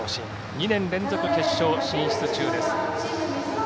２年連続決勝進出中。